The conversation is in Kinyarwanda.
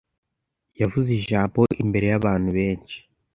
Yavuze ijambo imbere yabantu benshi.